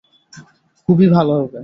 খুবই ভালো হবে।